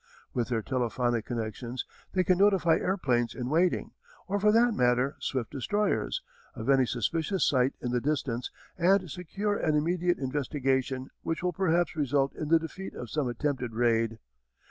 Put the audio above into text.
With their telephonic connections they can notify airplanes in waiting, or for that matter swift destroyers, of any suspicious sight in the distance, and secure an immediate investigation which will perhaps result in the defeat of some attempted raid.